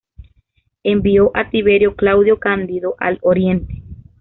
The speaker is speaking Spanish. Envió a Tiberio Claudio Candido al oriente.